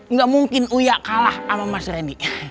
nggak mungkin uyak kalah sama mas randy